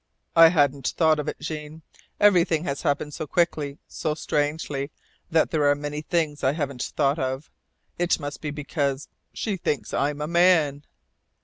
"I hadn't thought of it, Jean. Everything has happened so quickly, so strangely, that there are many things I haven't thought of. It must be because she thinks I'm a MAN!"